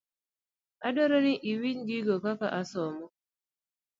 Adwaro ni iwinj gigo kaka asomo.